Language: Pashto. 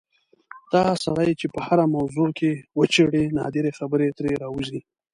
دا سړی چې په هره موضوع کې وچېړې نادرې خبرې ترې راوځي.